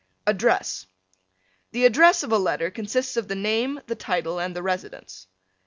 ADDRESS The address of a letter consists of the name, the title and the residence.